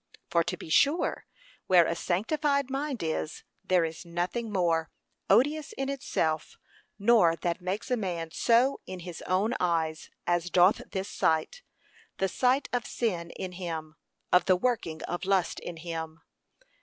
for to be sure, where a sanctified mind is, there is nothing more; odious in itself, nor that makes a man so in his own eyes, as doth this sight, the sight of sin in him, of the working of lust in him.